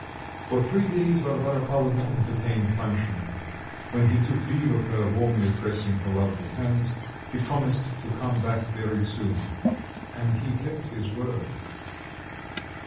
For three days Varvara Pavlovna entertained Panshin; when he took leave of her, warmly pressing her lovely hands, he promised to come back very soon and he kept his word.